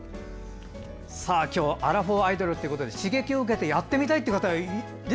今日はアラフォーアイドルということで刺激を受けてやってみたいという方